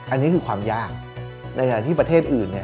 อันนี้คือความยากในขณะที่ประเทศอื่นเนี่ย